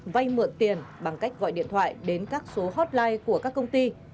vay mượn tiền bằng cách gọi điện thoại đến các số hotline của các công ty